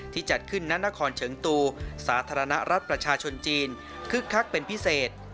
จัดขึ้นณนครเฉิงตูสาธารณรัฐประชาชนจีนคึกคักเป็นพิเศษ